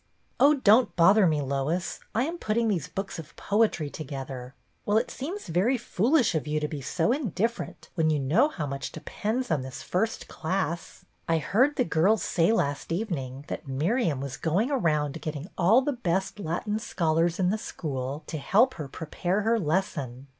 "Oh, don't bother me, Lois. I am put ting these books of poetry together." " Well, it seems very foolish for you to be so indifferent when you know how much de pends on this first class. I heard the girls say last evening that Miriam was going around getting all the best Latin scholars in the school to help her prepare her lesson.